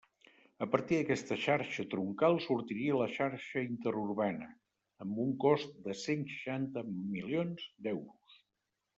A partir d'aquesta xarxa troncal sortiria la xarxa interurbana, amb un cost de cent seixanta milions d'euros.